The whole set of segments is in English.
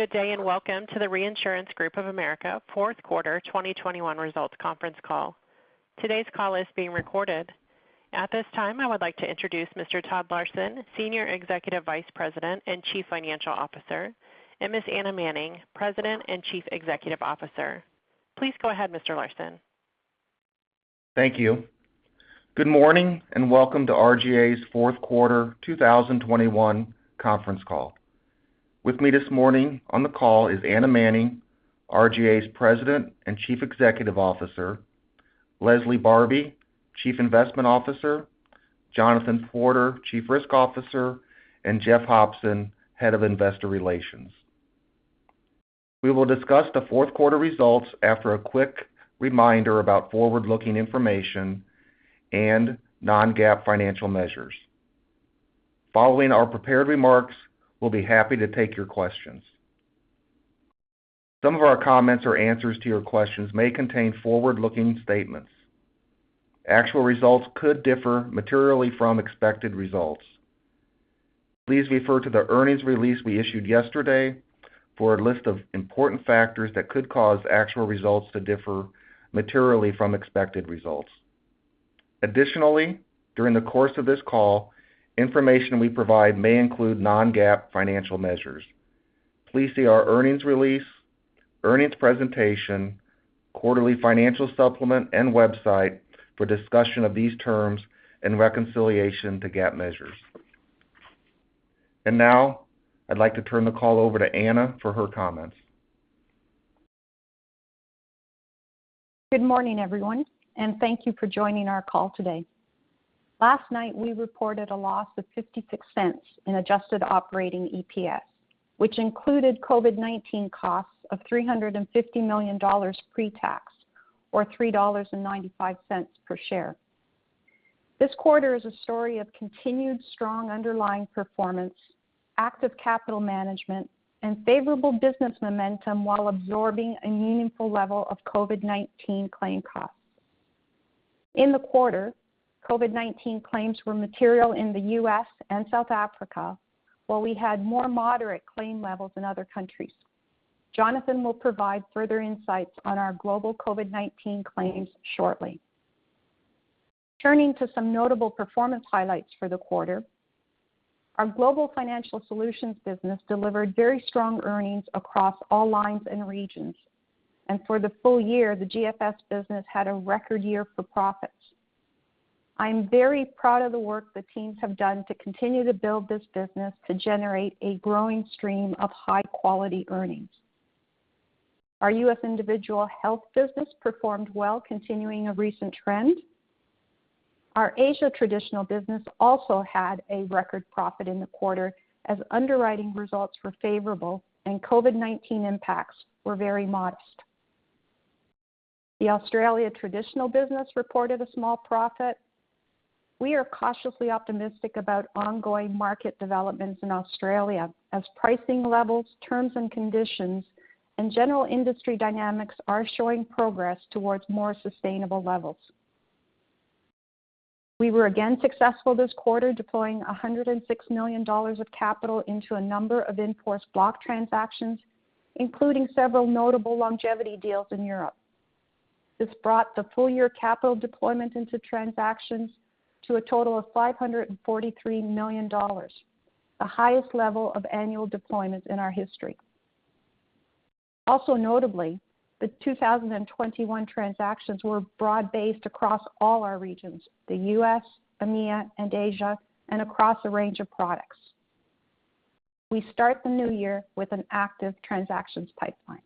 Good day, and welcome to the Reinsurance Group of America Fourth Quarter 2021 Results Conference Call. Today's call is being recorded. At this time, I would like to introduce Mr. Todd Larson, Senior Executive Vice President and Chief Financial Officer, and Ms. Anna Manning, President and Chief Executive Officer. Please go ahead, Mr. Larson. Thank you. Good morning, and welcome to RGA's Fourth Quarter 2021 Conference Call. With me this morning on the call is Anna Manning, RGA's President and Chief Executive Officer, Leslie Barbi, Chief Investment Officer, Jonathan Porter, Chief Risk Officer, and Jeff Hopson, Head of Investor Relations. We will discuss the fourth quarter results after a quick reminder about forward-looking information and non-GAAP financial measures. Following our prepared remarks, we'll be happy to take your questions. Some of our comments or answers to your questions may contain forward-looking statements. Actual results could differ materially from expected results. Please refer to the earnings release we issued yesterday for a list of important factors that could cause actual results to differ materially from expected results. Additionally, during the course of this call, information we provide may include non-GAAP financial measures. Please see our earnings release, earnings presentation, quarterly financial supplement, and website for discussion of these terms in reconciliation to GAAP measures. I'd like to turn the call over to Anna for her comments. Good morning, everyone, and thank you for joining our call today. Last night, we reported a loss of $0.56 in adjusted operating EPS, which included COVID-19 costs of $350 million pre-tax or $3.95 per share. This quarter is a story of continued strong underlying performance, active capital management, and favorable business momentum while absorbing a meaningful level of COVID-19 claim costs. In the quarter, COVID-19 claims were material in the U.S. and South Africa, while we had more moderate claim levels in other countries. Jonathan will provide further insights on our global COVID-19 claims shortly. Turning to some notable performance highlights for the quarter, our Global Financial Solutions business delivered very strong earnings across all lines and regions. For the full-year, the GFS business had a record year for profits. I'm very proud of the work the teams have done to continue to build this business to generate a growing stream of high-quality earnings. Our U.S. individual health business performed well, continuing a recent trend. Our Asia traditional business also had a record profit in the quarter as underwriting results were favorable and COVID-19 impacts were very modest. The Australia traditional business reported a small profit. We are cautiously optimistic about ongoing market developments in Australia as pricing levels, terms and conditions, and general industry dynamics are showing progress towards more sustainable levels. We were again successful this quarter, deploying $106 million of capital into a number of in-force block transactions, including several notable longevity deals in Europe. This brought the full-year capital deployment into transactions to a total of $543 million, the highest level of annual deployments in our history. Also notably, the 2021 transactions were broad-based across all our regions, the U.S., EMEA, and Asia, and across a range of products. We start the new year with an active transactions pipeline.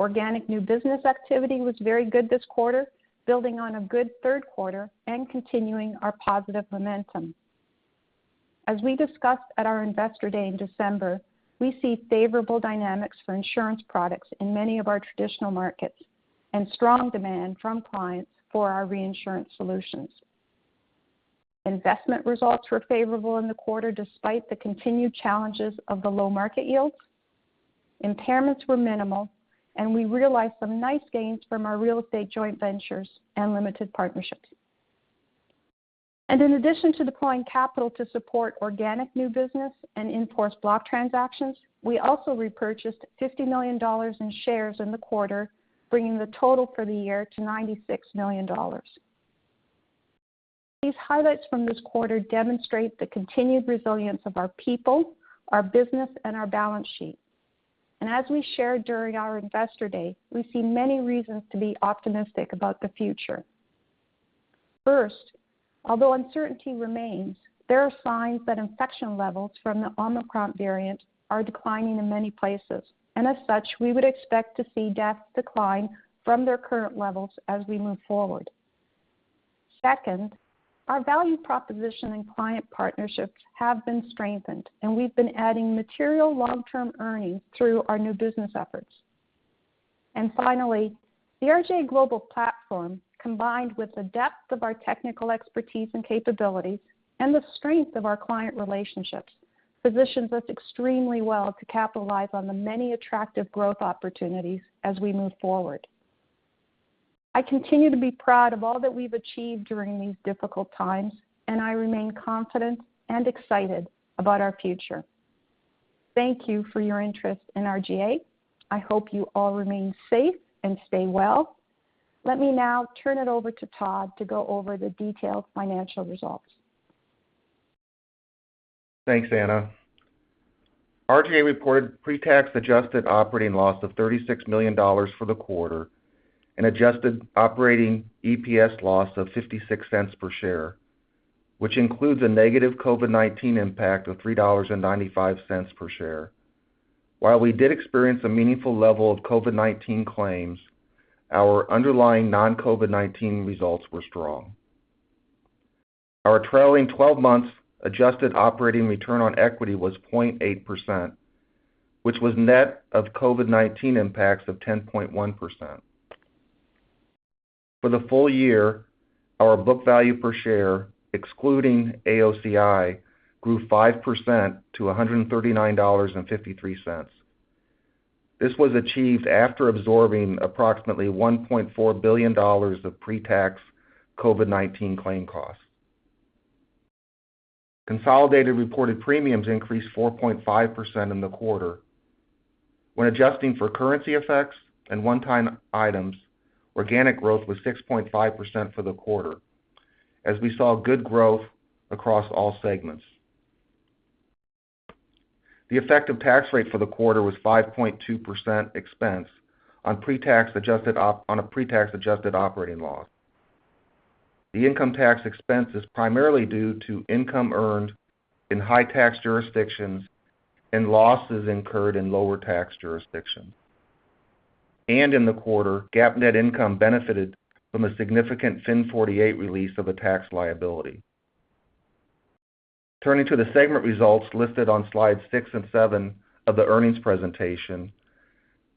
Organic new business activity was very good this quarter, building on a good third quarter and continuing our positive momentum. As we discussed at our Investor Day in December, we see favorable dynamics for insurance products in many of our traditional markets and strong demand from clients for our reinsurance solutions. Investment results were favorable in the quarter despite the continued challenges of the low market yields. Impairments were minimal, and we realized some nice gains from our real estate joint ventures and limited partnerships. In addition to deploying capital to support organic new business and in-force block transactions, we also repurchased $50 million in shares in the quarter, bringing the total for the year to $96 million. These highlights from this quarter demonstrate the continued resilience of our people, our business, and our balance sheet. As we shared during our Investor Day, we see many reasons to be optimistic about the future. First, although uncertainty remains, there are signs that infection levels from the Omicron variant are declining in many places. As such, we would expect to see deaths decline from their current levels as we move forward. Second, our value proposition and client partnerships have been strengthened, and we've been adding material long-term earnings through our new business efforts. Finally, the RGA global platform, combined with the depth of our technical expertise and capabilities and the strength of our client relationships, positions us extremely well to capitalize on the many attractive growth opportunities as we move forward. I continue to be proud of all that we've achieved during these difficult times, and I remain confident and excited about our future. Thank you for your interest in RGA. I hope you all remain safe and stay well. Let me now turn it over to Todd to go over the detailed financial results. Thanks, Anna. RGA reported pre-tax adjusted operating loss of $36 million for the quarter and adjusted operating EPS loss of $0.56 per share, which includes a negative COVID-19 impact of $3.95 per share. While we did experience a meaningful level of COVID-19 claims, our underlying non-COVID-19 results were strong. Our trailing twelve months adjusted operating return on equity was 0.8%, which was net of COVID-19 impacts of 10.1%. For the full-year, our book value per share, excluding AOCI, grew 5% to $139.53. This was achieved after absorbing approximately $1.4 billion of pre-tax COVID-19 claim costs. Consolidated reported premiums increased 4.5% in the quarter. When adjusting for currency effects and one-time items, organic growth was 6.5% for the quarter, as we saw good growth across all segments. The effective tax-rate for the quarter was 5.2% expense on a pre-tax adjusted operating loss. The income tax expense is primarily due to income earned in high tax jurisdictions and losses incurred in lower tax jurisdictions. In the quarter, GAAP net income benefited from a significant FIN 48 release of a tax liability. Turning to the segment results listed on slide six and seven of the earnings presentation,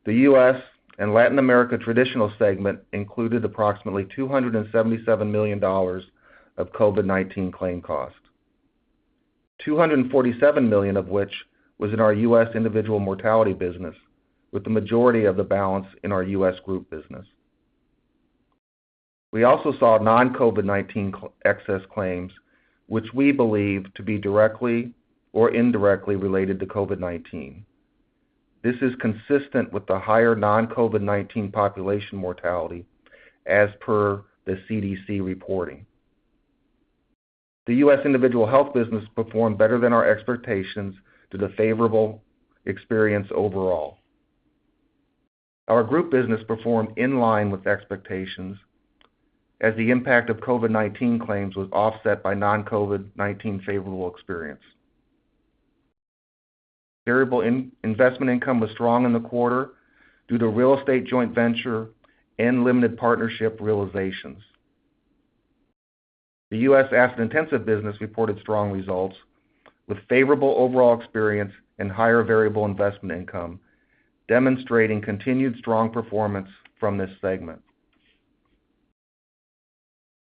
the U.S. and Latin America traditional segment included approximately $277 million of COVID-19 claim costs, $247 million of which was in our U.S. individual mortality business, with the majority of the balance in our U.S. group business. We also saw non-COVID-19 excess claims, which we believe to be directly or indirectly related to COVID-19. This is consistent with the higher non-COVID-19 population mortality as per the CDC reporting. The U.S. individual health business performed better than our expectations due to the favorable experience overall. Our group business performed in line with expectations, as the impact of COVID-19 claims was offset by non-COVID-19 favorable experience. Variable investment income was strong in the quarter due to real estate joint venture and limited partnership realizations. The U.S. asset-intensive business reported strong results with favorable overall experience and higher variable investment income, demonstrating continued strong performance from this segment.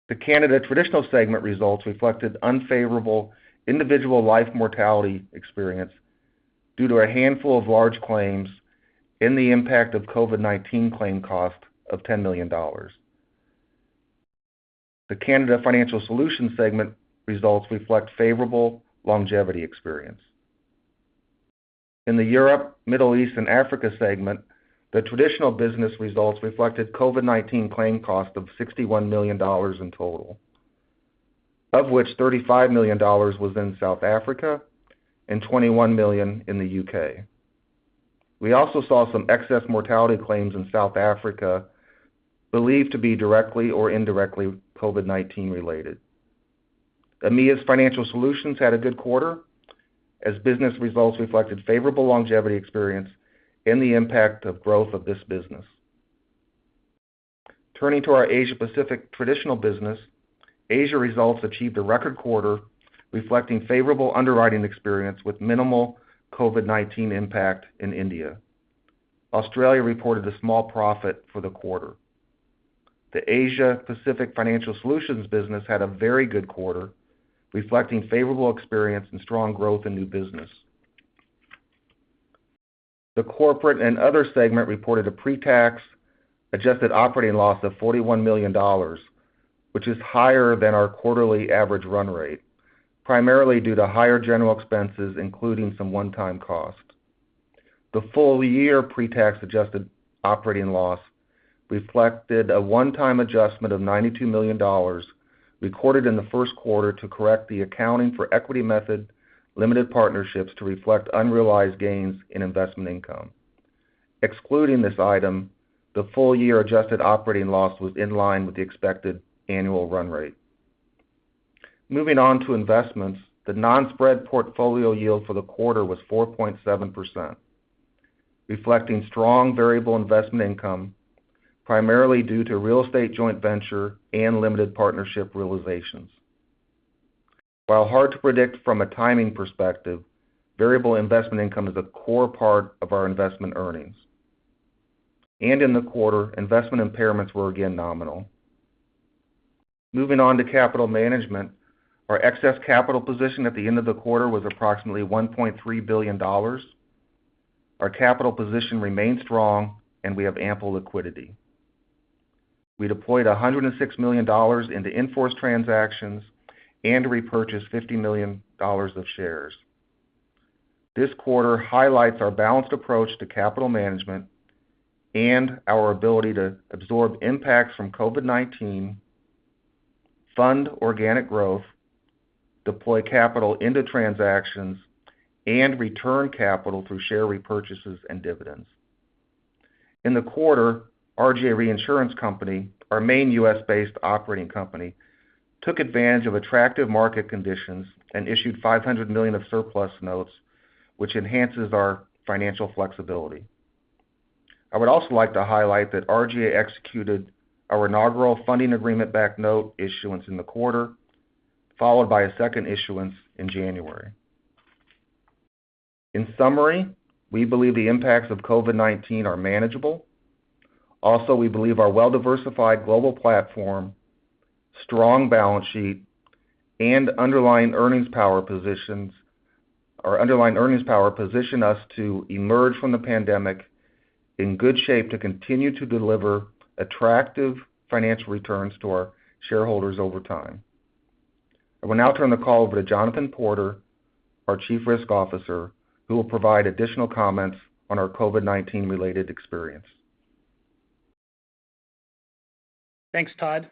The Canada Traditional segment results reflected unfavorable individual life mortality experience due to a handful of large claims and the impact of COVID-19 claims cost of $10 million. The Canada Financial Solutions segment results reflect favorable longevity experience. In the Europe, Middle East, and Africa segment, the traditional business results reflected COVID-19 claim cost of $61 million in total, of which $35 million was in South Africa and $21 million in the U.K. We also saw some excess mortality claims in South Africa, believed to be directly or indirectly COVID-19 related. EMEA's financial solutions had a good quarter as business results reflected favorable longevity experience and the impact of growth of this business. Turning to our Asia Pacific traditional business, Asia results achieved a record quarter reflecting favorable underwriting experience with minimal COVID-19 impact in India. Australia reported a small profit for the quarter. The Asia Pacific Financial Solutions business had a very good quarter, reflecting favorable experience and strong growth in new business. The corporate and other segment reported a pre-tax adjusted operating loss of $41 million, which is higher than our quarterly average run-rate, primarily due to higher general expenses, including some one-time costs. The full-year pre-tax adjusted operating loss reflected a one-time adjustment of $92 million recorded in the first quarter to correct the accounting for equity method limited partnerships to reflect unrealized gains in investment income. Excluding this item, the full-year adjusted operating loss was in line with the expected annual run-rate. Moving on to investments, the non-spread portfolio yield for the quarter was 4.7%, reflecting strong variable investment income, primarily due to real estate joint venture and limited partnership realizations. While hard to predict from a timing perspective, variable investment income is a core part of our investment earnings. In the quarter, investment impairments were again nominal. Moving on to capital management. Our excess capital position at the end of the quarter was approximately $1.3 billion. Our capital position remains strong, and we have ample liquidity. We deployed $106 million into in-force transactions and repurchased $50 million of shares. This quarter highlights our balanced approach to capital management and our ability to absorb impacts from COVID-19, fund organic growth, deploy capital into transactions, and return capital through share repurchases and dividends. In the quarter, RGA Reinsurance Company, our main U.S.-based operating company, took advantage of attractive market conditions and issued $500 million of surplus notes, which enhances our financial flexibility. I would also like to highlight that RGA executed our inaugural funding agreement-backed note issuance in the quarter, followed by a second issuance in January. In summary, we believe the impacts of COVID-19 are manageable. Also, we believe our well-diversified global platform, strong balance sheet, and underlying earnings power position us to emerge from the pandemic in good shape to continue to deliver attractive financial returns to our shareholders over time. I will now turn the call over to Jonathan Porter, our Chief Risk Officer, who will provide additional comments on our COVID-19 related experience. Thanks, Todd.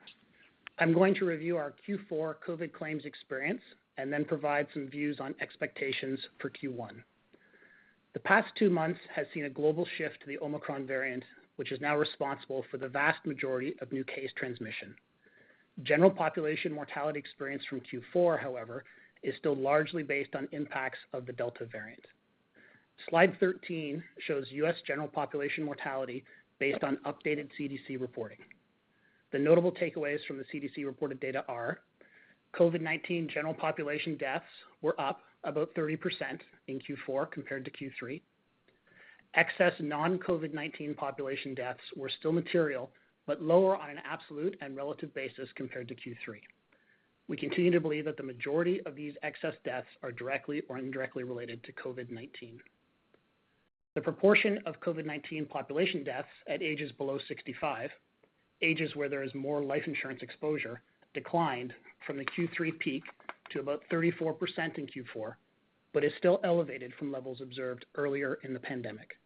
I'm going to review our Q4 COVID claims experience and then provide some views on expectations for Q1. The past two months has seen a global shift to the Omicron variant, which is now responsible for the vast majority of new case transmission. General population mortality experience from Q4, however, is still largely based on impacts of the Delta variant. Slide 13 shows U.S. general population mortality based on updated CDC reporting. The notable takeaways from the CDC reported data are. COVID-19 general population deaths were up about 30% in Q4 compared to Q3. Excess non-COVID-19 population deaths were still material, but lower on an absolute and relative basis compared to Q3. We continue to believe that the majority of these excess deaths are directly or indirectly related to COVID-19. The proportion of COVID-19 population deaths at ages below 65, ages where there is more life insurance exposure, declined from the Q3 peak to about 34% in Q4, but is still elevated from levels observed earlier in the pandemic.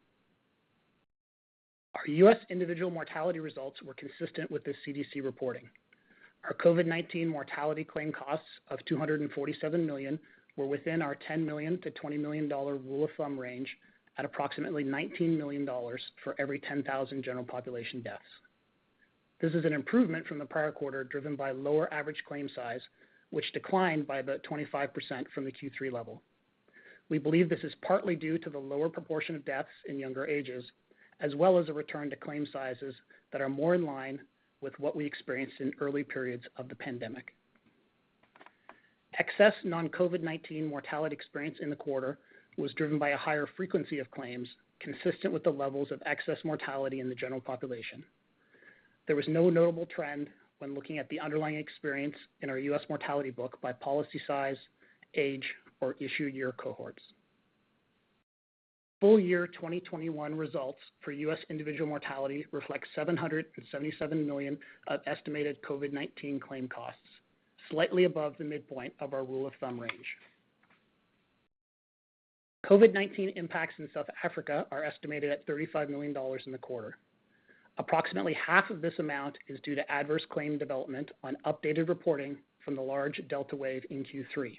Our U.S. individual mortality results were consistent with the CDC reporting. Our COVID-19 mortality claim costs of $247 million were within our $10 million-$20 million rule of thumb range at approximately $19 million for every 10,000 general population deaths. This is an improvement from the prior-quarter, driven by lower average claim size, which declined by about 25% from the Q3 level. We believe this is partly due to the lower proportion of deaths in younger ages, as well as a return to claim sizes that are more in line with what we experienced in early periods of the pandemic. Excess non-COVID-19 mortality experience in the quarter was driven by a higher frequency of claims, consistent with the levels of excess mortality in the general population. There was no notable trend when looking at the underlying experience in our U.S. mortality book by policy size, age, or issue year cohorts. Full-year 2021 results for U.S. individual mortality reflect $777 million of estimated COVID-19 claim costs, slightly above the midpoint of our rule of thumb range. COVID-19 impacts in South Africa are estimated at $35 million in the quarter. Approximately half of this amount is due to adverse claim development on updated reporting from the large Delta wave in Q3.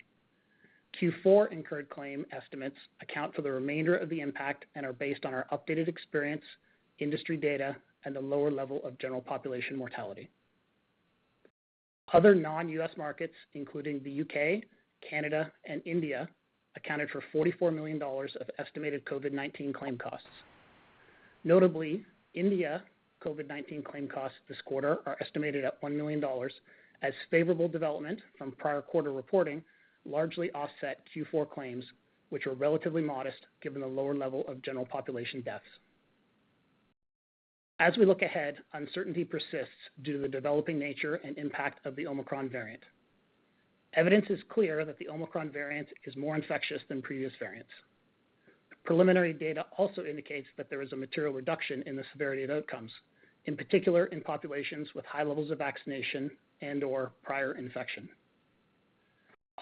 Q4 incurred claim estimates account for the remainder of the impact and are based on our updated experience, industry data, and a lower level of general population mortality. Other non-U.S. markets, including the U.K., Canada, and India, accounted for $44 million of estimated COVID-19 claim costs. Notably, India COVID-19 claim costs this quarter are estimated at $1 million, as favorable development from prior-quarter reporting largely offset Q4 claims, which were relatively modest given the lower level of general population deaths. As we look ahead, uncertainty persists due to the developing nature and impact of the Omicron variant. Evidence is clear that the Omicron variant is more infectious than previous variants. Preliminary data also indicates that there is a material reduction in the severity of outcomes, in particular in populations with high levels of vaccination and/or prior infection.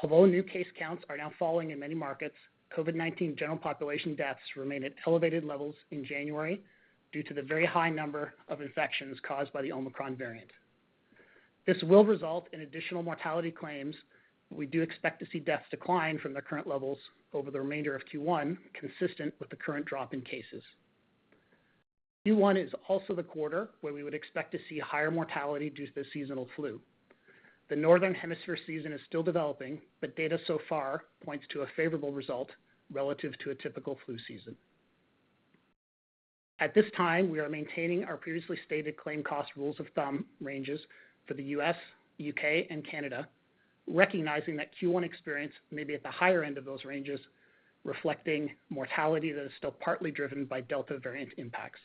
Although new case counts are now falling in many markets, COVID-19 general population deaths remain at elevated levels in January due to the very high number of infections caused by the Omicron variant. This will result in additional mortality claims, but we do expect to see deaths decline from their current levels over the remainder of Q1, consistent with the current drop in cases. Q1 is also the quarter where we would expect to see higher mortality due to the seasonal flu. The Northern Hemisphere season is still developing, but data so far points to a favorable result relative to a typical flu season. At this time, we are maintaining our previously stated claim cost rules of thumb ranges for the U.S., U.K., and Canada, recognizing that Q1 experience may be at the higher end of those ranges, reflecting mortality that is still partly driven by Delta variant impacts.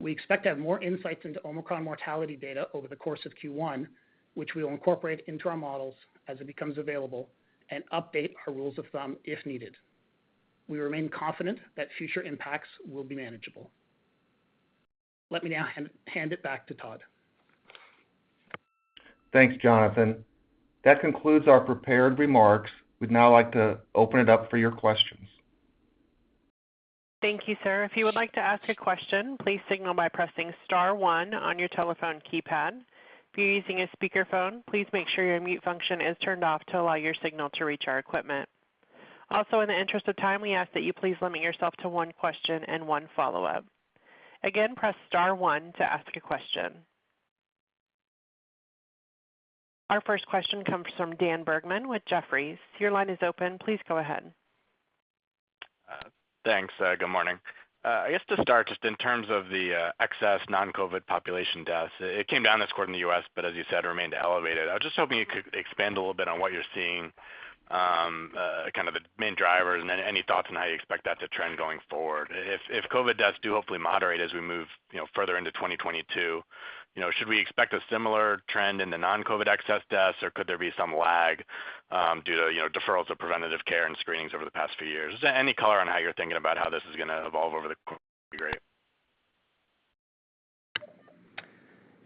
We expect to have more insights into Omicron mortality data over the course of Q1, which we will incorporate into our models as it becomes available and update our rules of thumb if needed. We remain confident that future impacts will be manageable. Let me now hand it back to Todd. Thanks, Jonathan. That concludes our prepared remarks. We'd now like to open it up for your questions. Thank you, sir. If you would like to ask a question, please signal by pressing star one on your telephone keypad. If you're using a speakerphone, please make sure your mute function is turned off to allow your signal to reach our equipment. Also in the interest of time, we ask that you please limit yourself to one question and one follow-up. Again, press star one to ask a question. Our first question comes from Daniel Bergman with Jefferies. Your line is open. Please go ahead. Thanks. Good morning. I guess to start, just in terms of the excess non-COVID population deaths, it came down this quarter in the U.S., but as you said, remained elevated. I was just hoping you could expand a little bit on what you're seeing, kind of the main drivers and any thoughts on how you expect that to trend going forward. If COVID deaths do hopefully moderate as we move further into 2022, should we expect a similar trend in the non-COVID excess deaths, or could there be some lag due to deferrals of preventative care and screenings over the past few years? Any color on how you're thinking about how this is gonna evolve over the course be great.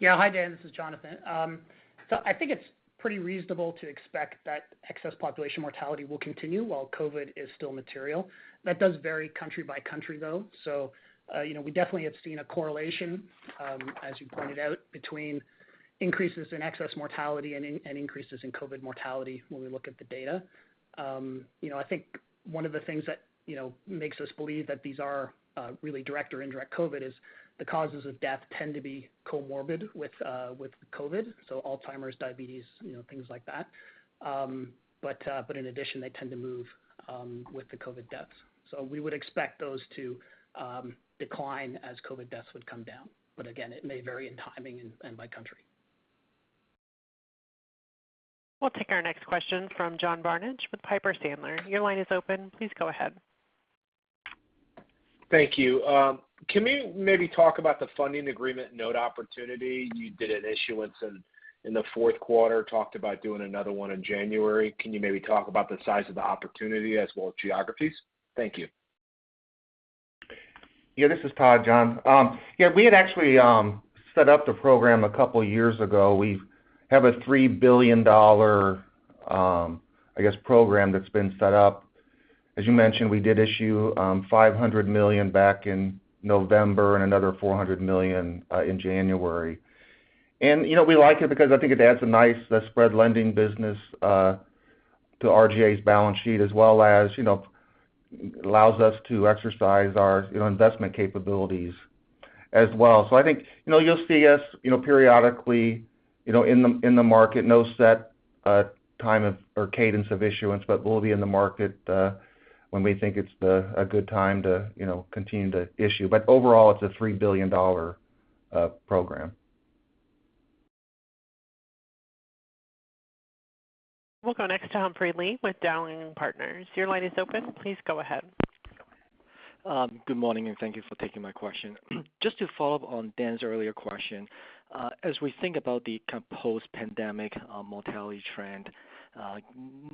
Yeah. Hi, Dan, this is Jonathan. I think it's pretty reasonable to expect that excess population mortality will continue while COVID is still material. That does vary country by country, though. You know, we definitely have seen a correlation, as you pointed out, between increases in excess mortality and increases in COVID mortality when we look at the data. You know, I think one of the things that, you know, makes us believe that these are really direct or indirect COVID is the causes of death tend to be comorbid with COVID, so Alzheimer's, diabetes, you know, things like that. But in addition, they tend to move with the COVID deaths. We would expect those to decline as COVID deaths would come down. Again, it may vary in timing and by country. We'll take our next question from John Barnidge with Piper Sandler. Your line is open. Please go ahead. Thank you. Can we maybe talk about the funding agreement note opportunity? You did an issuance in the fourth quarter, talked about doing another one in January. Can you maybe talk about the size of the opportunity as well as geographies? Thank you. Yeah, this is Todd, John. Yeah, we had actually set up the program a couple years ago. We have a $3 billion, I guess, program that's been set up. As you mentioned, we did issue $500 million back in November and another $400 million in January. You know, we like it because I think it adds a nice spread lending business to RGA's balance sheet, as well as, you know, allows us to exercise our, you know, investment capabilities as well. I think, you know, you'll see us, you know, periodically, you know, in the market, no set time of or cadence of issuance, but we'll be in the market when we think it's a good time to, you know, continue to issue. Overall, it's a $3 billion program. We'll go next to Humphrey Lee with Dowling & Partners. Your line is open. Please go ahead. Good morning, and thank you for taking my question. Just to follow-up on Dan's earlier question, as we think about the kind of post-pandemic mortality trend,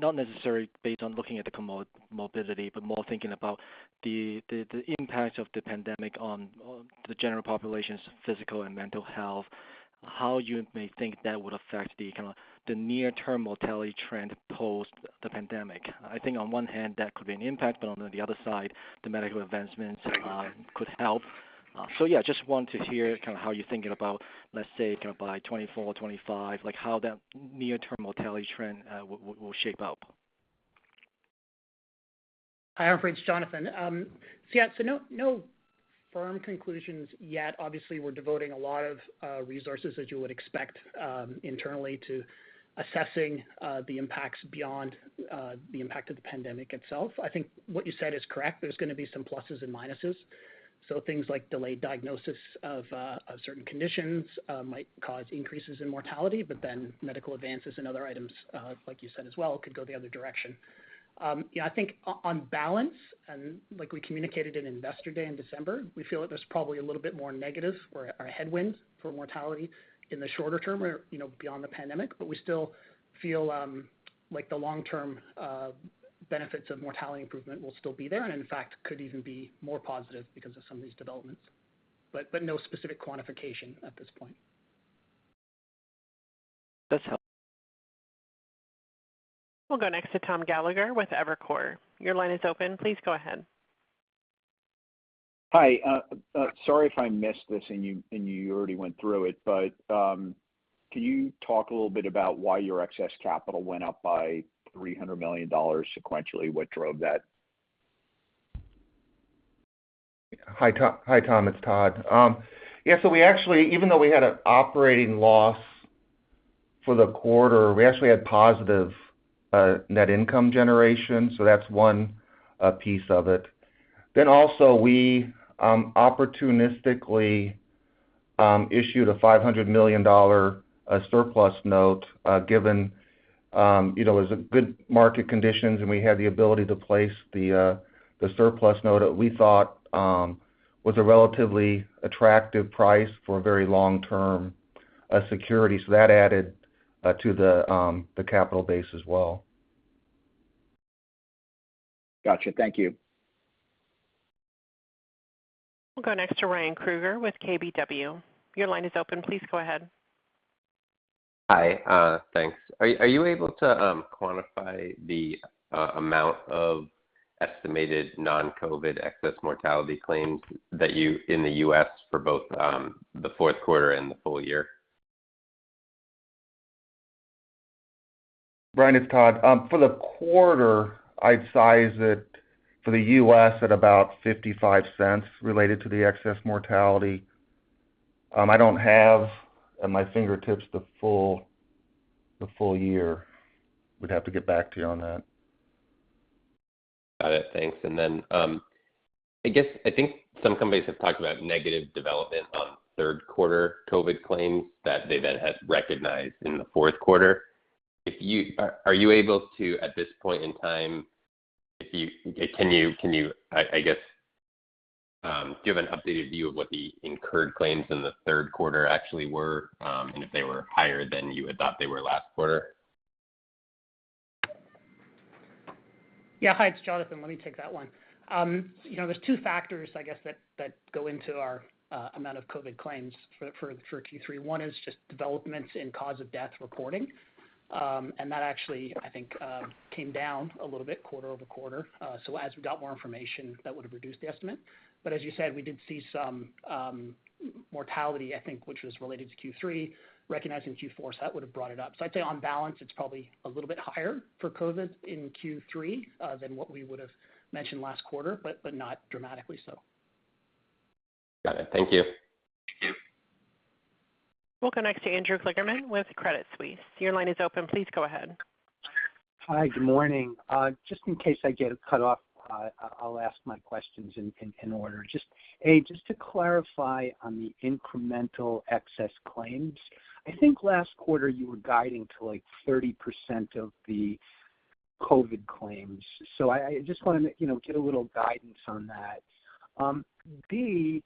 not necessarily based on looking at the comorbidity, but more thinking about the impact of the pandemic on the general population's physical and mental health, how you may think that would affect the kind of the near-term mortality trend post the pandemic. I think on one hand that could be an impact, but on the other side, the medical advancements could help. Yeah, just want to hear kind of how you're thinking about, let's say kind of by 2024, 2025, like how that near-term mortality trend will shape up. Hi, Humphrey. It's Jonathan. Yeah. No firm conclusions yet. Obviously, we're devoting a lot of resources, as you would expect, internally to assessing the impacts beyond the impact of the pandemic itself. I think what you said is correct. There's gonna be some pluses and minuses. Things like delayed diagnosis of certain conditions might cause increases in mortality, but then medical advances and other items, like you said as well, could go the other direction. Yeah, I think on balance and like we communicated in Investor Day in December, we feel that there's probably a little bit more negative or a headwind for mortality in the shorter-term or, you know, beyond the pandemic. We still feel like the long-term benefits of mortality improvement will still be there, and in fact, could even be more positive because of some of these developments. No specific quantification at this point. That's helpful. We'll go next to Thomas Gallagher with Evercore. Your line is open. Please go ahead. Hi. Sorry if I missed this and you already went through it, but can you talk a little bit about why your excess capital went up by $300 million sequentially? What drove that? Hi, Tom. It's Todd. We actually even though we had an operating loss for the quarter, we actually had positive net income generation, so that's one piece of it. Also we opportunistically issued a $500 million surplus note, given you know was good market conditions, and we had the ability to place the surplus note that we thought was a relatively attractive price for a very long-term security. So that added to the capital base as well. Got you. Thank you. We'll go next to Ryan Krueger with KBW. Your line is open. Please go ahead. Hi, thanks. Are you able to quantify the amount of estimated non-COVID excess mortality claims in the U.S. for both the fourth quarter and the full-year? Ryan, it's Todd. For the quarter, I'd size it for the U.S. at about $0.55 related to the excess mortality. I don't have at my fingertips the full-year. We'd have to get back to you on that. Got it. Thanks. I think some companies have talked about negative development on third quarter COVID claims that they then had recognized in the fourth quarter. Are you able to, at this point in time, give an updated view of what the incurred claims in the third quarter actually were, and if they were higher than you had thought they were last quarter? Yeah. Hi, it's Jonathan. Let me take that one. You know, there's two factors, I guess, that go into our amount of COVID claims for Q3. One is just developments in cause of death reporting. That actually, I guess, came down a little bit quarter-over-quarter. As we got more information, that would have reduced the estimate. As you said, we did see some mortality, I think, which was related to Q3, recognizing Q4, so that would have brought it up. I'd say on balance, it's probably a little bit higher for COVID in Q3 than what we would have mentioned last quarter, but not dramatically so. Got it. Thank you. We'll go next to Andrew Kligerman with Credit Suisse. Your line is open. Please go ahead. Hi. Good morning. Just in case I get cut off, I'll ask my questions in order. Just, A, just to clarify on the incremental excess claims, I think last quarter you were guiding to, like, 30% of the COVID claims. So I just wanna, you know, get a little guidance on that. B,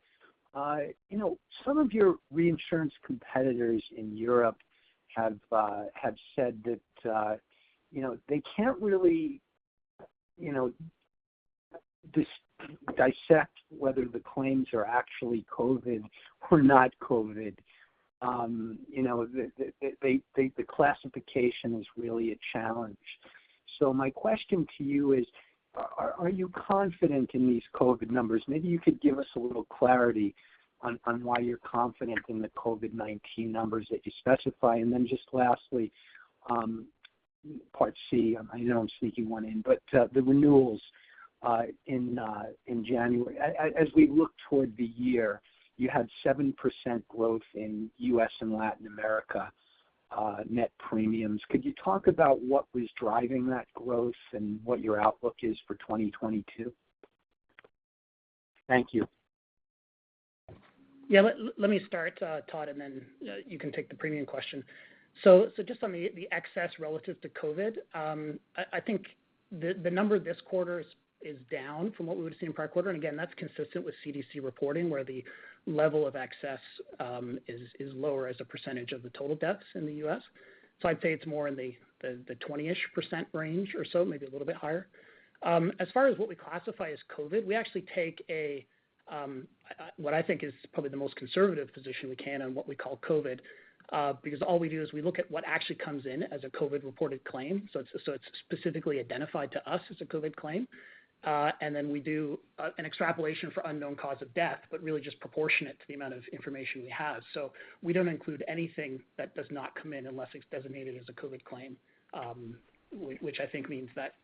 you know, some of your reinsurance competitors in Europe have said that, you know, they can't really, you know, dissect whether the claims are actually COVID or not COVID. You know, the classification is really a challenge. So my question to you is, are you confident in these COVID numbers? Maybe you could give us a little clarity on why you're confident in the COVID-19 numbers that you specify. Then just lastly, part C, I know I'm sneaking one in, but the renewals in January. As we look toward the year, you had 7% growth in U.S. and Latin America net premiums. Could you talk about what was driving that growth and what your outlook is for 2022? Thank you. Yeah. Let me start, Todd, and then you can take the premium question. Just on the excess relative to COVID, I think the number this quarter is down from what we would've seen in prior-quarter. Again, that's consistent with CDC reporting, where the level of excess is lower as a percentage of the total deaths in the U.S. I'd say it's more in the 20-ish% range or so, maybe a little bit higher. As far as what we classify as COVID, we actually take what I think is probably the most conservative position we can on what we call COVID, because all we do is we look at what actually comes in as a COVID-reported claim. It's specifically identified to us as a COVID claim. We do an extrapolation for unknown cause of death, but really just proportionate to the amount of information we have. We don't include anything that does not come in unless it's designated as a COVID claim, which I think means that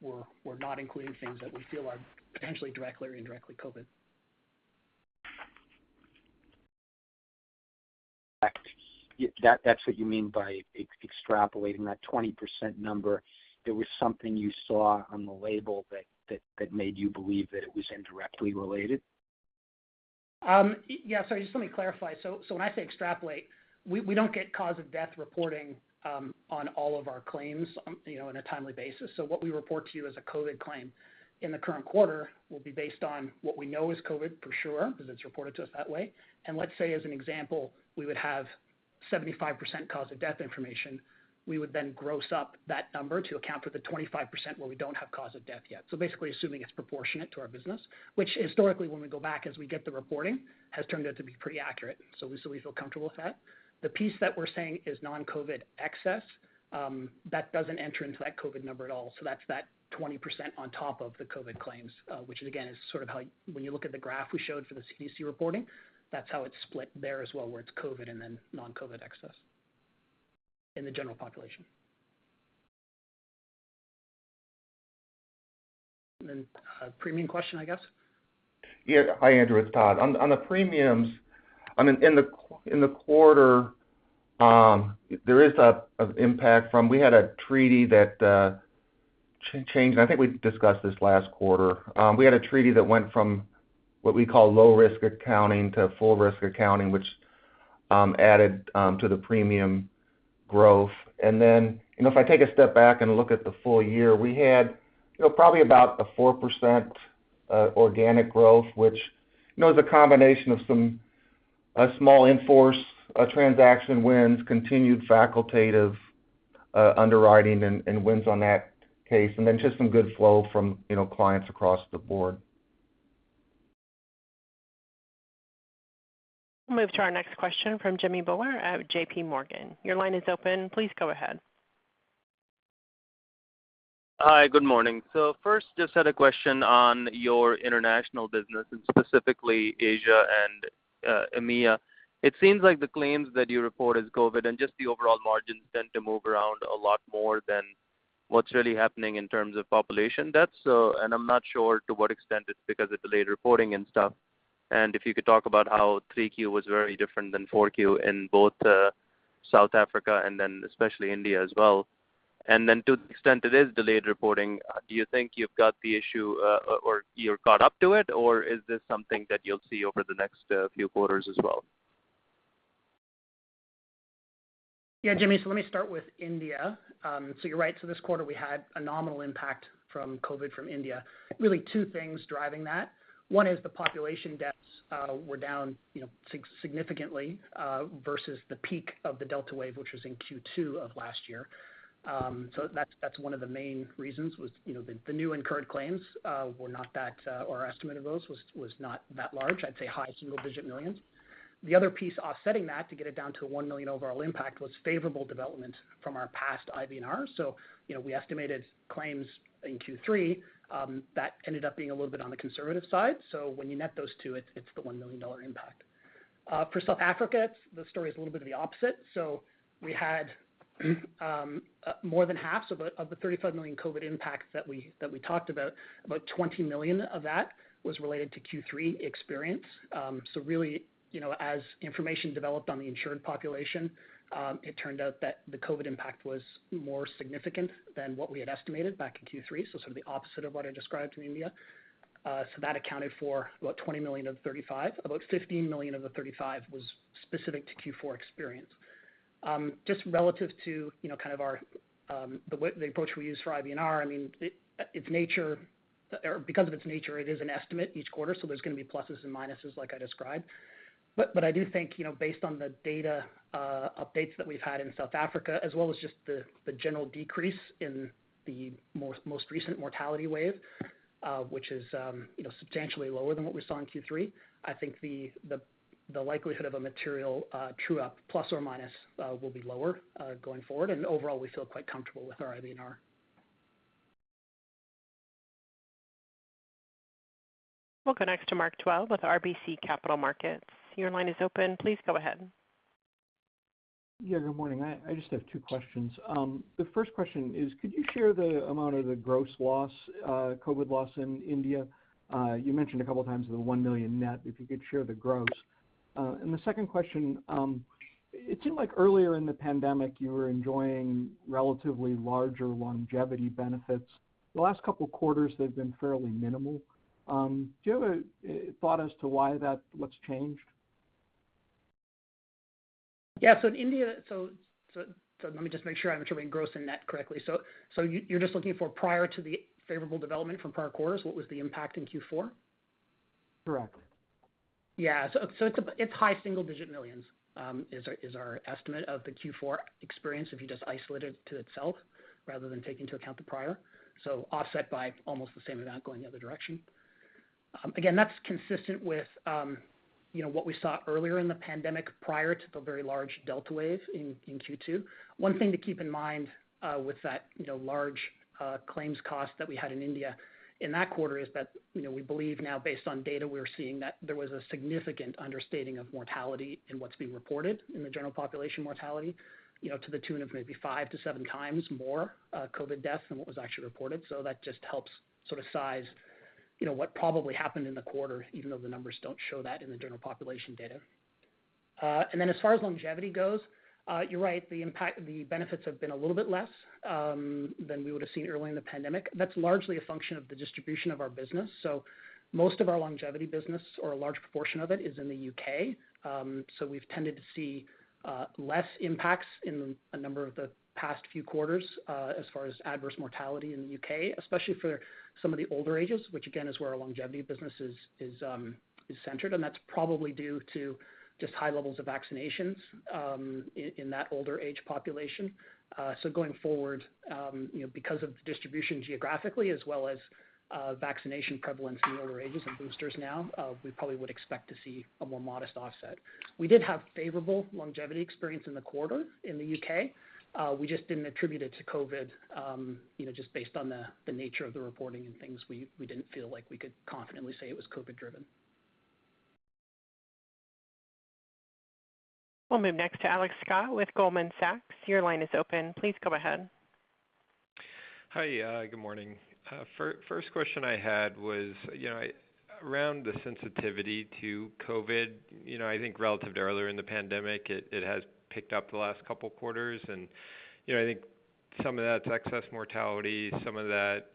we're not including things that we feel are potentially directly or indirectly COVID. That, that's what you mean by extrapolating that 20% number. There was something you saw on the label that made you believe that it was indirectly related? Yeah. Just let me clarify. When I say extrapolate, we don't get cause of death reporting on all of our claims, you know, on a timely basis. What we report to you as a COVID claim in the current quarter will be based on what we know is COVID for sure, 'cause it's reported to us that way. Let's say, as an example, we would have 75% cause of death information, we would then gross up that number to account for the 25% where we don't have cause of death yet. Basically assuming it's proportionate to our business, which historically, when we go back as we get the reporting, has turned out to be pretty accurate. We feel comfortable with that. The piece that we're saying is non-COVID excess that doesn't enter into that COVID number at all. So that's that 20% on top of the COVID claims, which again, is sort of how, when you look at the graph we showed for the CDC reporting, that's how it's split there as well, where it's COVID and then non-COVID excess in the general population. Then, premium question, I guess. Yeah. Hi, Andrew. It's Todd. On the premiums, I mean, in the quarter, there is an impact from. We had a treaty that change, I think we discussed this last quarter. We had a treaty that went from what we call low-risk accounting to full-risk accounting, which added to the premium growth. You know, if I take a step back and look at the full-year, we had you know probably about a 4% organic growth, which you know is a combination of some small in-force transaction wins, continued facultative underwriting and wins on that case, and then just some good flow from you know clients across the board. We'll move to our next question from Jimmy Bhullar at JPMorgan. Your line is open. Please go ahead. Hi, good morning. First, just had a question on your international business, and specifically Asia and EMEA. It seems like the claims that you report as COVID and just the overall margins tend to move around a lot more than what's really happening in terms of population. That's. I'm not sure to what extent it's because of delayed reporting and stuff. If you could talk about how 3Q was very different than 4Q in both South Africa and then especially India as well. To the extent it is delayed reporting, do you think you've got the issue or you're caught up to it, or is this something that you'll see over the next few quarters as well? Yeah, Jimmy, let me start with India. You're right. This quarter we had a nominal impact from COVID from India. Really two things driving that. One is the population deaths were down, you know, significantly, versus the peak of the Delta wave, which was in Q2 of last year. That's one of the main reasons was, you know, the new incurred claims were not that, or estimate of those was not that large. I'd say high-single-digit millions. The other piece offsetting that to get it down to $1 million overall impact was favorable development from our past IBNR. You know, we estimated claims in Q3 that ended up being a little bit on the conservative side. When you net those two, it's the $1 million impact. For South Africa, the story is a little bit of the opposite. We had more than half of the $35 million COVID impacts that we talked about. About $20 million of that was related to Q3 experience. Really, you know, as information developed on the insured population, it turned out that the COVID impact was more significant than what we had estimated back in Q3. Sort of the opposite of what I described in India. That accounted for about $20 million of the $35 million. About $15 million of the $35 million was specific to Q4 experience. Just relative to, you know, kind of our, the approach we use for IBNR, I mean, it's nature or because of its nature, it is an estimate each quarter, so there's gonna be pluses and minuses like I described. I do think, you know, based on the data, updates that we've had in South Africa as well as just the general decrease in the most recent mortality wave, which is, you know, substantially lower than what we saw in Q3, I think the likelihood of a material true up plus or minus will be lower going forward. Overall, we feel quite comfortable with our IBNR. We'll go next to Mark Dwelle with RBC Capital Markets. Your line is open. Please go ahead. Yeah, good morning. I just have two questions. The first question is, could you share the amount of the gross loss, COVID loss in India? You mentioned a couple of times the $1 million net, if you could share the gross. The second question, it seemed like earlier in the pandemic, you were enjoying relatively larger longevity benefits. The last couple quarters, they've been fairly minimal. Do you have a thought as to why that? What's changed? Yeah. Let me just make sure I'm insuring gross and net correctly. You're just looking for, prior to the favorable development from prior-quarters, what was the impact in Q4? Correct. Yeah. It's high-single-digit millions is our estimate of the Q4 experience if you just isolate it to itself rather than take into account the prior. Offset by almost the same amount going the other direction. Again, that's consistent with you know what we saw earlier in the pandemic prior to the very large Delta wave in Q2. One thing to keep in mind with that you know large claims cost that we had in India in that quarter is that you know we believe now based on data we're seeing that there was a significant understating of mortality in what's being reported in the general population mortality you know to the tune of maybe 5x-7x more COVID deaths than what was actually reported. That just helps sort of size, you know, what probably happened in the quarter, even though the numbers don't show that in the general population data. As far as longevity goes, you're right. The impact, the benefits have been a little bit less than we would've seen early in the pandemic. That's largely a function of the distribution of our business. Most of our longevity business or a large proportion of it is in the U.K. We've tended to see less impacts in a number of the past few quarters as far as adverse mortality in the U.K., especially for some of the older ages, which again is where our longevity business is centered. That's probably due to just high levels of vaccinations in that older age population. Going forward, you know, because of the distribution geographically as well as, vaccination prevalence in the older ages and boosters now, we probably would expect to see a more modest offset. We did have favorable longevity experience in the quarter in the U.K. We just didn't attribute it to COVID, you know, just based on the nature of the reporting and things we didn't feel like we could confidently say it was COVID driven. We'll move next to Alex Scott with Goldman Sachs. Your line is open. Please go ahead. Hi. Good morning. First question I had was, you know, around the sensitivity to COVID, you know, I think relative to earlier in the pandemic, it has picked up the last couple quarters and, you know, I think some of that's excess mortality, some of that,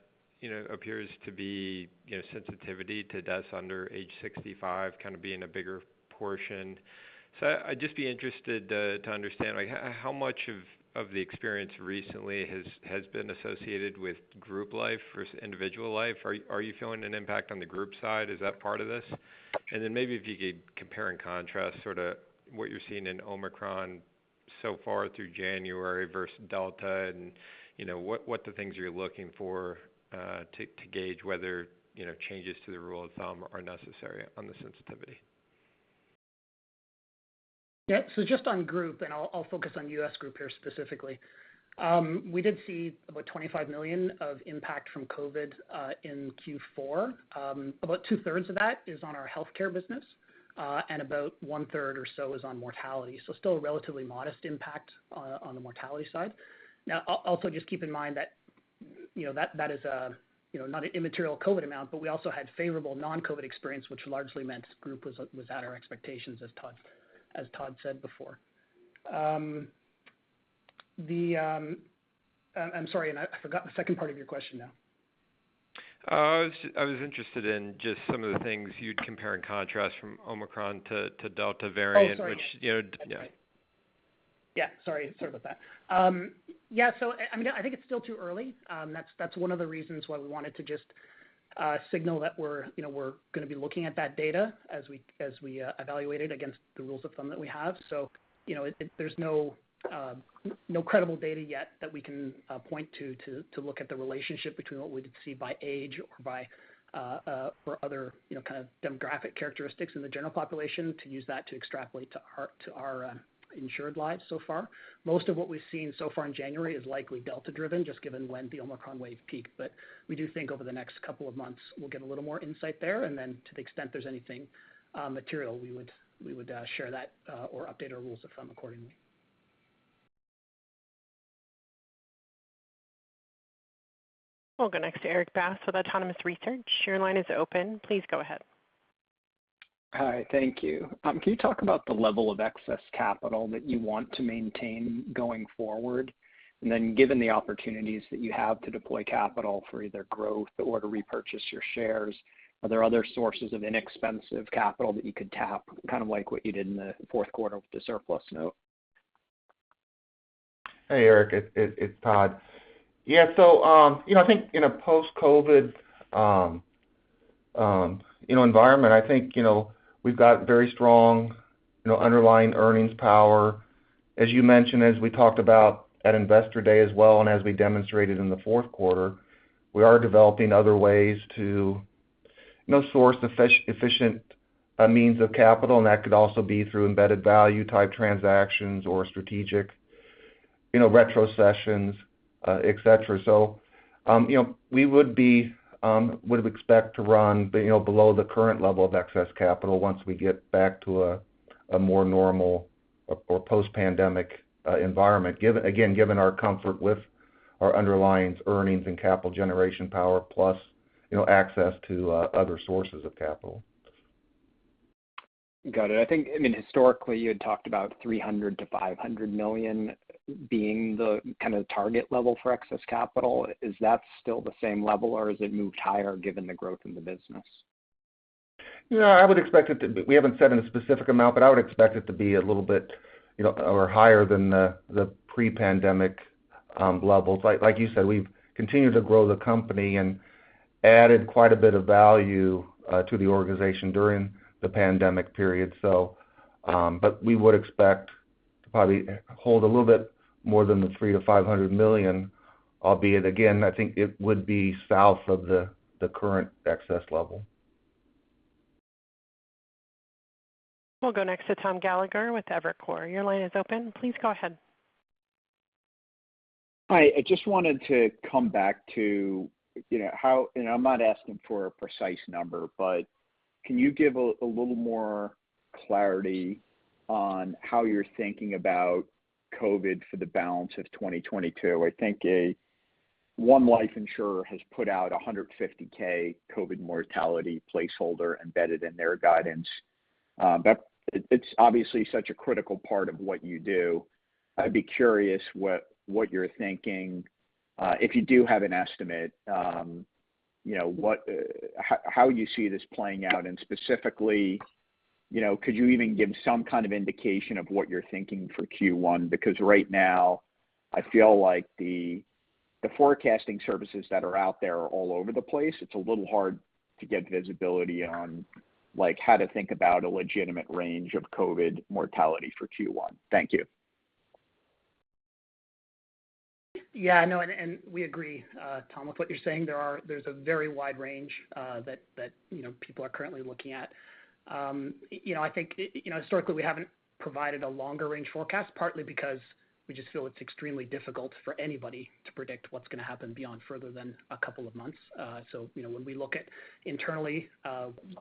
you know, appears to be, you know, sensitivity to deaths under age 65 kind of being a bigger portion. I'd just be interested to understand, like how much of the experience recently has been associated with group life versus individual life. Are you feeling an impact on the group side? Is that part of this? Maybe if you could compare and contrast sort of what you're seeing in Omicron so far through January versus Delta and, you know, what the things you're looking for to gauge whether, you know, changes to the rule of thumb are necessary on the sensitivity. Yeah. Just on group, and I'll focus on U.S. Group here specifically. We did see about $25 million of impact from COVID in Q4. About two-thirds of that is on our healthcare business, and about one-third or so is on mortality. Still a relatively modest impact on the mortality side. Now also just keep in mind that, you know, that is, you know, not an immaterial COVID amount, but we also had favorable non-COVID experience, which largely meant Group was at our expectations as Todd said before. I'm sorry, and I forgot the second part of your question now. I was interested in just some of the things you'd compare and contrast from Omicron to Delta variant. Oh, sorry. Which, you know, yeah. Yeah, sorry about that. Yeah, I mean, I think it's still too early. That's one of the reasons why we wanted to just signal that we're, you know, we're gonna be looking at that data as we evaluate it against the rules of thumb that we have. You know, there's no credible data yet that we can point to to look at the relationship between what we see by age or by other, you know, kind of demographic characteristics in the general population to use that to extrapolate to our insured lives so far. Most of what we've seen so far in January is likely Delta-driven, just given when the Omicron wave peaked. We do think over the next couple of months, we'll get a little more insight there, and then to the extent there's anything material, we would share that or update our rules of thumb accordingly. We'll go next to Erik Bass with Autonomous Research. Your line is open. Please go ahead. Hi. Thank you. Can you talk about the level of excess capital that you want to maintain going forward? Given the opportunities that you have to deploy capital for either growth or to repurchase your shares, are there other sources of inexpensive capital that you could tap, kind of like what you did in the fourth quarter with the surplus note? Hey, Erik, it's Todd. Yeah. You know, I think in a post-COVID environment, I think, you know, we've got very strong underlying earnings power. As you mentioned, as we talked about at Investor Day as well, and as we demonstrated in the fourth quarter, we are developing other ways to source efficient means of capital, and that could also be through embedded value type transactions or strategic retrocessions, etc. You know, we would expect to run below the current level of excess capital once we get back to a more normal or post-pandemic environment, given our comfort with our underlying earnings and capital generation power, plus access to other sources of capital. Got it. I think, I mean, historically, you had talked about $300 million-$500 million being the kind of target level for excess capital. Is that still the same level, or has it moved higher given the growth in the business? You know, I would expect it to be. We haven't said in a specific amount, but I would expect it to be a little bit, you know, or higher than the pre-pandemic levels. Like you said, we've continued to grow the company and added quite a bit of value to the organization during the pandemic period. But we would expect to probably hold a little bit more than the $300 million-$500 million, albeit again, I think it would be south of the current excess level. We'll go next to Thomas Gallagher with Evercore. Your line is open. Please go ahead. Hi. I just wanted to come back to, you know, how, and I'm not asking for a precise number, but can you give a little more clarity on how you're thinking about COVID for the balance of 2022? I think one life insurer has put out 150K COVID mortality placeholder embedded in their guidance. But it's obviously such a critical part of what you do. I'd be curious what you're thinking, if you do have an estimate, you know, what, how you see this playing out. Specifically, you know, could you even give some kind of indication of what you're thinking for Q1? Because right now, I feel like the forecasting services that are out there are all over the place. It's a little hard to get visibility on, like, how to think about a legitimate range of COVID mortality for Q1. Thank you. We agree, Tom, with what you're saying. There's a very wide range that you know people are currently looking at. You know, I think, you know, historically, we haven't provided a longer range forecast, partly because we just feel it's extremely difficult for anybody to predict what's gonna happen beyond further than a couple of months. You know, when we look at internally,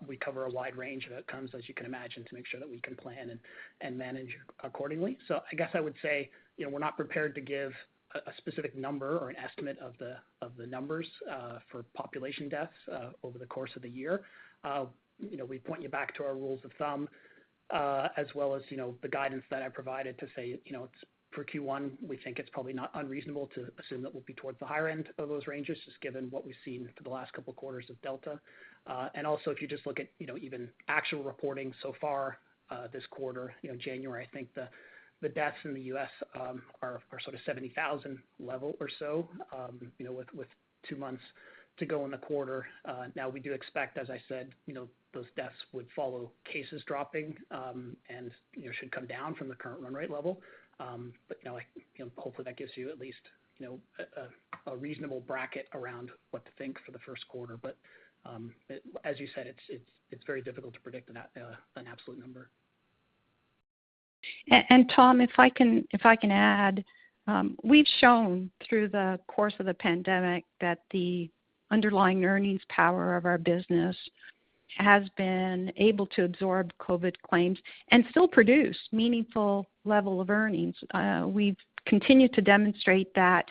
we cover a wide range of outcomes, as you can imagine, to make sure that we can plan and manage accordingly. I guess I would say, you know, we're not prepared to give a specific number or an estimate of the numbers for population deaths over the course of the year. You know, we point you back to our rules of thumb. As well as, you know, the guidance that I provided to say, you know, it's for Q1, we think it's probably not unreasonable to assume that we'll be towards the higher end of those ranges, just given what we've seen for the last couple of quarters of Delta. And also, if you just look at, you know, even actual reporting so far, this quarter, you know, January, I think the deaths in the U.S. are sort of 70,000 level or so, you know, with two months to go in the quarter. Now we do expect, as I said, you know, those deaths would follow cases dropping, and, you know, should come down from the current run rate level. You know, hopefully, that gives you at least, you know, a reasonable bracket around what to think for the first quarter. As you said, it's very difficult to predict an absolute number. Tom, if I can add, we've shown through the course of the pandemic that the underlying earnings power of our business has been able to absorb COVID claims and still produce meaningful level of earnings. We've continued to demonstrate that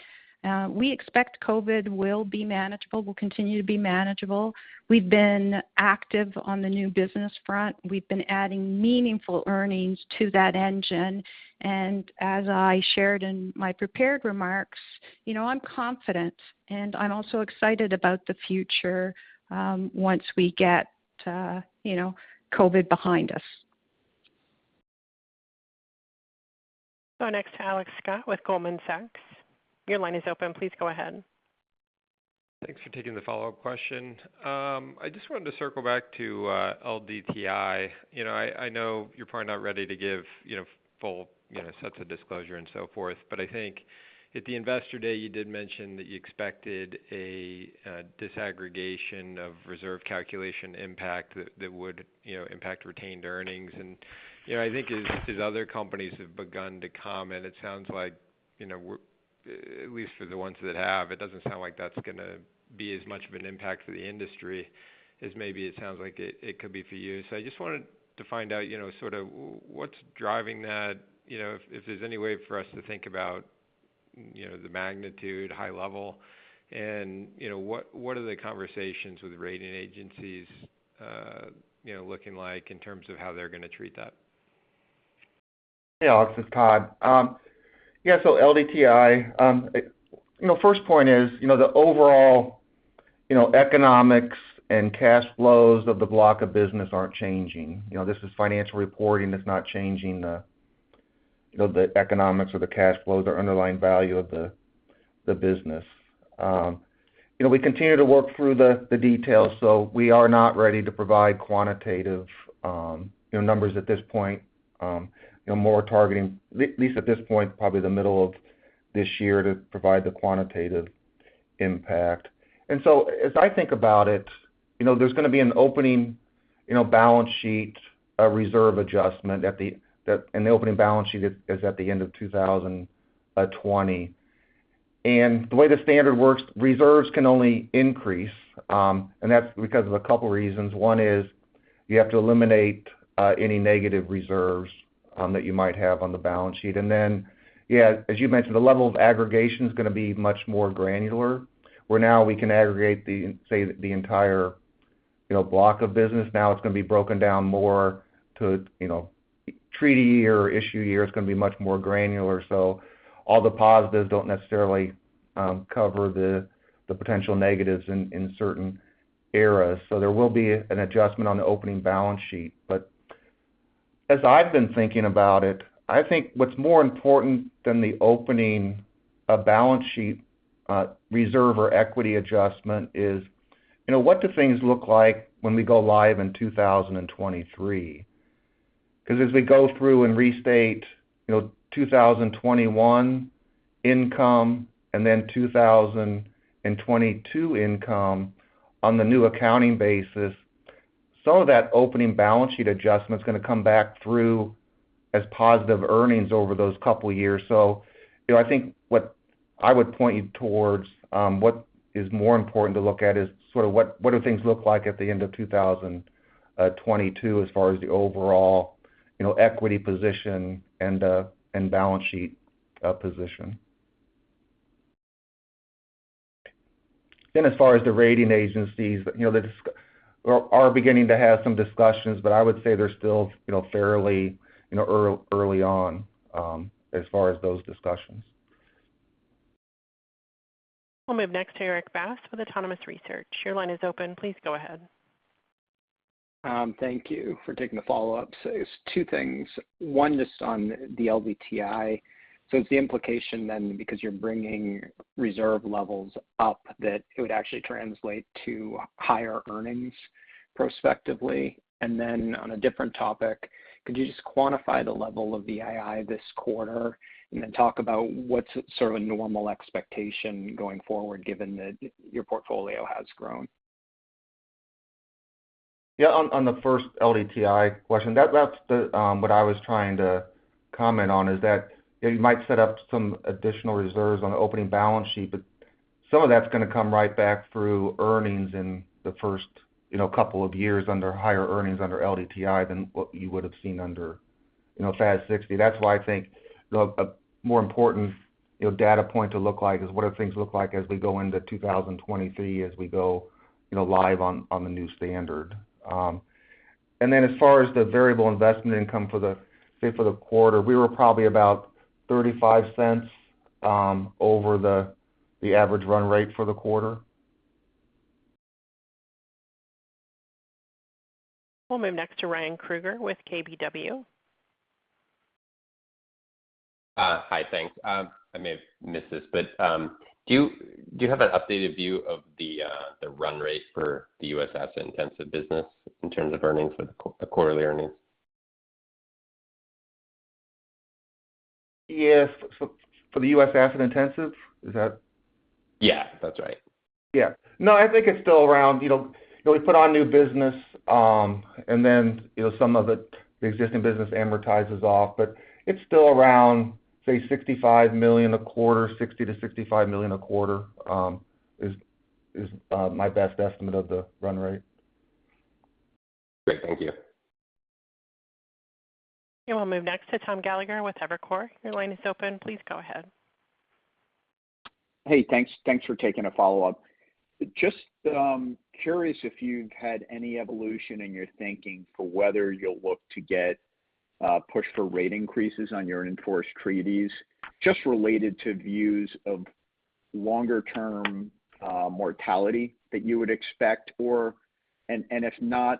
we expect COVID will be manageable, will continue to be manageable. We've been active on the new business front. We've been adding meaningful earnings to that engine. As I shared in my prepared remarks, you know, I'm confident, and I'm also excited about the future, once we get, you know, COVID behind us. Next to Alex Scott with Goldman Sachs. Your line is open. Please go ahead. Thanks for taking the follow-up question. I just wanted to circle back to LDTI. You know, I know you're probably not ready to give, you know, full, you know, sets of disclosure and so forth. But I think at the Investor Day, you did mention that you expected a disaggregation of reserve calculation impact that would, you know, impact retained earnings. You know, I think as other companies have begun to comment, it sounds like, you know, at least for the ones that have, it doesn't sound like that's gonna be as much of an impact for the industry as maybe it sounds like it could be for you. I just wanted to find out, you know, sort of what's driving that, you know, if there's any way for us to think about, you know, the magnitude high level, and, you know, what are the conversations with rating agencies, you know, looking like in terms of how they're gonna treat that? Hey, Alex, it's Todd. So LDTI, you know, first point is, you know, the overall, you know, economics and cash flows of the block of business aren't changing. You know, this is financial reporting, it's not changing the, you know, the economics or the cash flows or underlying value of the business. You know, we continue to work through the details, so we are not ready to provide quantitative, you know, numbers at this point, you know, more targeting, at least at this point, probably the middle of this year to provide the quantitative impact. As I think about it, you know, there's gonna be an opening, you know, balance sheet, a reserve adjustment at that, and the opening balance sheet is at the end of 2020. The way the standard works, reserves can only increase, and that's because of a couple reasons. One is you have to eliminate any negative reserves that you might have on the balance sheet. Then, yeah, as you mentioned, the level of aggregation is gonna be much more granular, where now we can aggregate, say, the entire, you know, block of business. Now it's gonna be broken down more to, you know, treaty or issue year. It's gonna be much more granular. So all the positives don't necessarily cover the potential negatives in certain areas. So there will be an adjustment on the opening balance sheet. As I've been thinking about it, I think what's more important than the opening balance sheet reserve or equity adjustment is, you know, what do things look like when we go live in 2023? 'Cause as we go through and restate, you know, 2021 income and then 2022 income on the new accounting basis, some of that opening balance sheet adjustment is gonna come back through as positive earnings over those couple of years. I think what I would point you towards, what is more important to look at is sort of what do things look like at the end of 2022 as far as the overall, you know, equity position and the balance sheet position. As far as the rating agencies, you know, they are beginning to have some discussions, but I would say they're still, you know, fairly, you know, early on as far as those discussions. We'll move next to Erik Bass with Autonomous Research. Your line is open. Please go ahead. Thank you for taking the follow-up. It's two things. One, just on the LDTI. It's the implication then because you're bringing reserve levels up that it would actually translate to higher earnings prospectively. Then on a different topic, could you just quantify the level of VII this quarter, and then talk about what's sort of a normal expectation going forward, given that your portfolio has grown? Yeah. On the first LDTI question, that's what I was trying to comment on is that it might set up some additional reserves on the opening balance sheet, but some of that's gonna come right back through earnings in the first, you know, couple of years under higher earnings under LDTI than what you would have seen under, you know, FAS 60. That's why I think a more important, you know, data point to look at is what do things look like as we go into 2023, as we go, you know, live on the new standard. And then as far as the variable investment income for the quarter, we were probably about $0.35 over the average run-rate for the quarter. We'll move next to Ryan Krueger with KBW. Hi. Thanks. I may have missed this, but do you have an updated view of the run-rate for the U.S. asset-intensive business in terms of earnings for the quarterly earnings? Yes. For the U.S. asset-intensive, is that? Yeah, that's right. Yeah. No, I think it's still around, you know, we put on new business, and then, you know, some of it, the existing business amortizes off, but it's still around, say, $65 million a quarter, $60-$65 million a quarter, is my best estimate of the run-rate. Great. Thank you. We'll move next to Thomas Gallagher with Evercore. Your line is open. Please go ahead. Hey, thanks. Thanks for taking a follow-up. Just curious if you've had any evolution in your thinking for whether you'll look to get push for rate increases on your in-force treaties, just related to views of longer-term mortality that you would expect, or, if not,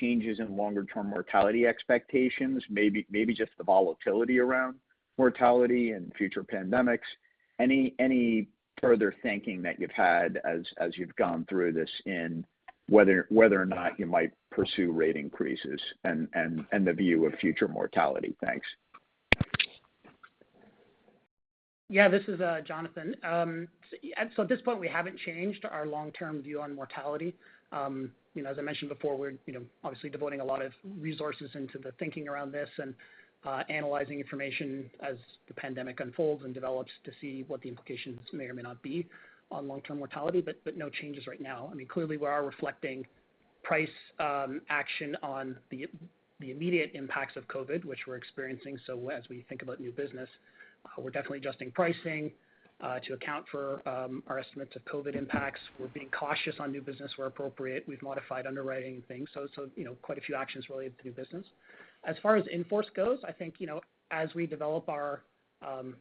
changes in longer-term mortality expectations, maybe just the volatility around mortality and future pandemics. Any further thinking that you've had as you've gone through this on whether or not you might pursue rate increases and the view of future mortality? Thanks. Yeah. This is Jonathan. At this point, we haven't changed our long-term view on mortality. You know, as I mentioned before, we're, you know, obviously devoting a lot of resources into the thinking around this and analyzing information as the pandemic unfolds and develops to see what the implications may or may not be on long-term mortality, but no changes right now. I mean, clearly we are reflecting price action on the immediate impacts of COVID, which we're experiencing. As we think about new business, we're definitely adjusting pricing to account for our estimates of COVID impacts. We're being cautious on new business where appropriate. We've modified underwriting things. You know, quite a few actions related to new business. As far as in-force goes, I think, you know, as we develop our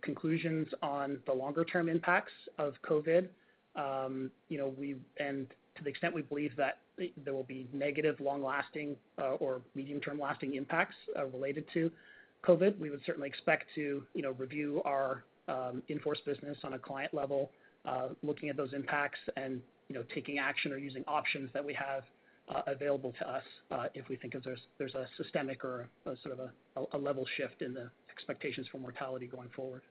conclusions on the longer-term impacts of COVID, you know, to the extent we believe that there will be negative long-lasting or medium-term lasting impacts related to COVID, we would certainly expect to, you know, review our in-force business on a client level, looking at those impacts and, you know, taking action or using options that we have available to us, if we think that there's a systemic or a sort of a level shift in the expectations for mortality going forward.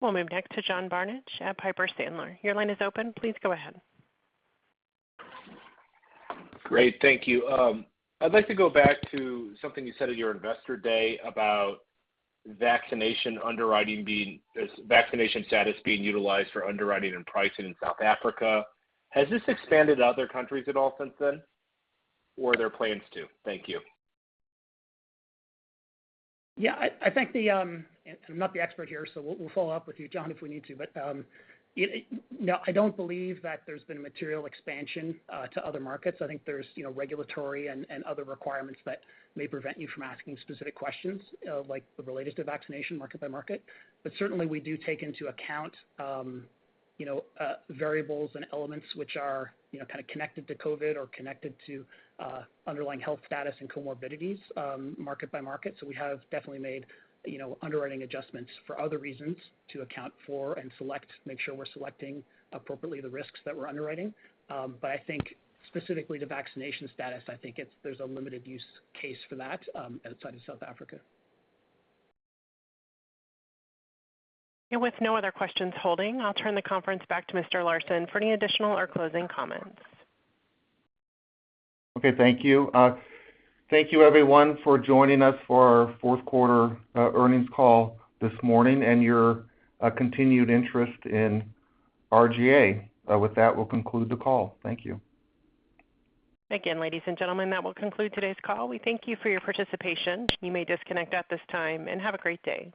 We'll move next to John Barnidge at Piper Sandler. Your line is open. Please go ahead. Great. Thank you. I'd like to go back to something you said at your Investor Day about vaccination status being utilized for underwriting and pricing in South Africa. Has this expanded to other countries at all since then, or are there plans to? Thank you. Yeah. I think, and I'm not the expert here, so we'll follow-up with you, John, if we need to. No, I don't believe that there's been a material expansion to other markets. I think there's, you know, regulatory and other requirements that may prevent you from asking specific questions like related to vaccination market by market. Certainly, we do take into account, you know, variables and elements which are, you know, kind of connected to COVID or connected to underlying health status and comorbidities market-by-market. We have definitely made, you know, underwriting adjustments for other reasons to account for and select, make sure we're selecting appropriately the risks that we're underwriting. I think specifically to vaccination status, there’s a limited use case for that outside of South Africa. With no other questions holding, I'll turn the conference back to Mr. Larson for any additional or closing comments. Okay. Thank you. Thank you everyone for joining us for our Fourth Quarter Earnings Call this morning and your continued interest in RGA. With that, we'll conclude the call. Thank you. Again, ladies and gentlemen, that will conclude today's call. We thank you for your participation. You may disconnect at this time, and have a great day.